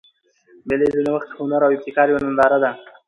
مېلې د نوښت، هنر او ابتکار یوه ننداره ده.